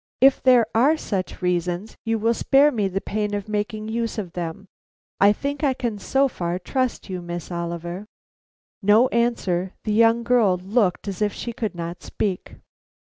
If there are such reasons, you will spare me the pain of making use of them. I think I can so far trust you, Miss Oliver." No answer; the young girl looked as if she could not speak.